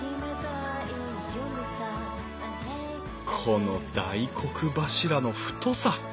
この大黒柱の太さ。